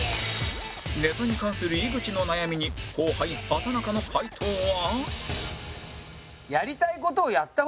ネタに関する井口の悩みに後輩畠中の回答は？